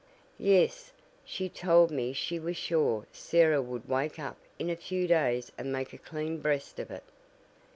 "Yes, she told me she was sure Sarah would wake up in a few days and make a 'clean breast of it.'